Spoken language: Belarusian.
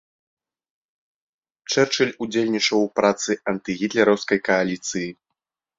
Чэрчыль удзельнічаў у працы антыгітлераўскай кааліцыі.